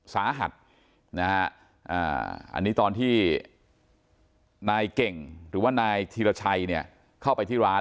สาหัสนะฮะอันนี้ตอนที่นายเก่งหรือว่านายธีรชัยเนี่ยเข้าไปที่ร้าน